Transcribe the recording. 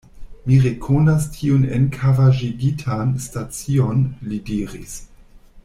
Mi rekonas tiun enkavaĵigitan stacion, li diris.